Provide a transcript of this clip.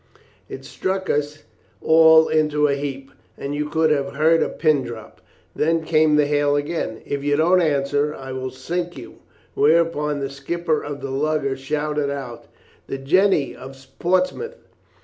"It struck us all into a heap, and you could have heard a pin drop. Then came the hail again, 'If you don't answer I will sink you,' whereupon the skipper of the lugger shouted out, 'the Jennie of Portsmouth.'